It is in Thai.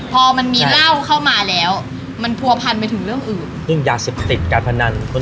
พอมีราวเข้ามาแล้วมันพัวผันไปถึงเรื่องอื่น